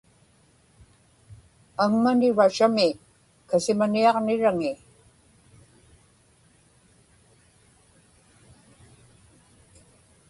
aŋmani Russia-mi kasimaniaġniraŋi